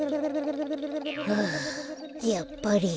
はあやっぱり。